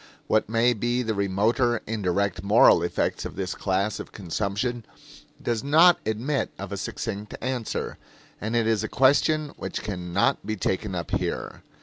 What may be the remoter, indirect, moral effects of this class of consumption does not admit of a succinct answer, and it is a question which can not be taken up here.